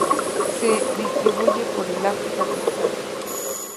Se distribuye por el África tropical.